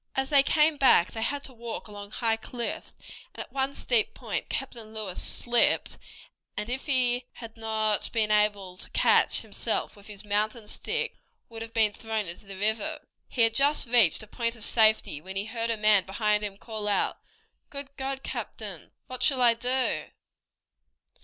As they came back they had to walk along high cliffs, and at one steep point Captain Lewis slipped, and, if he had not been able to catch himself with his mountain stick, would have been thrown into the river. He had just reached a point of safety when he heard a man behind him call out, "Good God, captain, what shall I do?"